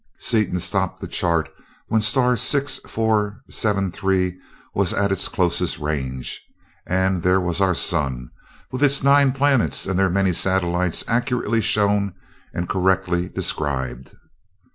Seaton stopped the chart when star six four seven three was at its closest range, and there was our sun; with its nine planets and their many satellites accurately shown and correctly described.